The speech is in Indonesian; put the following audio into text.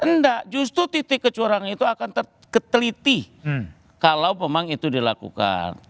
enggak justru titik kecurangan itu akan terteliti kalau memang itu dilakukan